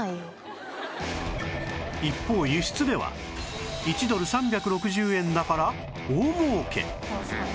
一方輸出では１ドル３６０円だから大儲け